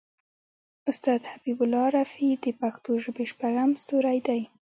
استاد حبیب الله رفیع د پښتو ژبې شپږم ستوری دی.